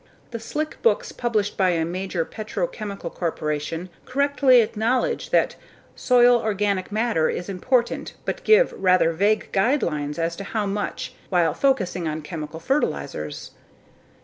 The slick books published by a major petrochemical corporation correctly acknowledge that soil organic matter is important but give rather vague guidelines as to how much while focusing on chemical fertilizers.